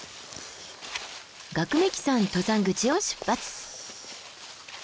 岳滅鬼山登山口を出発。